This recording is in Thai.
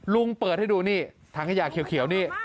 เปิดให้ดูนี่ถังขยะเขียวนี่